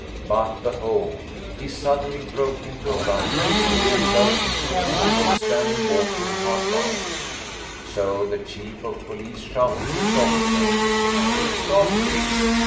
But, behold! he suddenly broke into a run and threw himself into a pool of standing water[FN#397] hard by. So the Chief of the Police shouted to his officers, "Stop thief!"